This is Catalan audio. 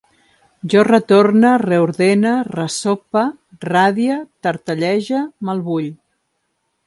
Jo retorne, reordene, ressope, radie, tartallege, malvull